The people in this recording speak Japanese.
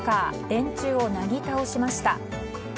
電柱をなぎ倒しました。